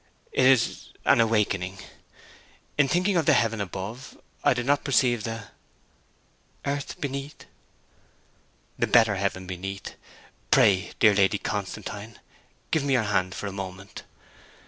'It is an awakening. In thinking of the heaven above, I did not perceive the ' 'Earth beneath?' 'The better heaven beneath. Pray, dear Lady Constantine, give me your hand for a moment.'